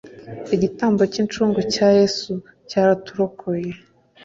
igitambo cy’ incungu cya yesu cyaraturokoye.